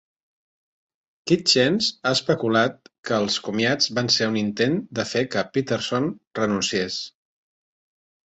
Kitchens ha especulat que els comiats van ser un intent de fer que Peterson renunciés.